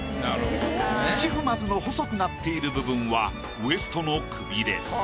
土踏まずの細くなっている部分はウエストのくびれ。